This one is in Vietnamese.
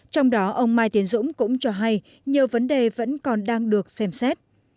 trong đó ông mai tiến dũng cũng cho hay nhiều vấn đề vẫn còn đang được xem xét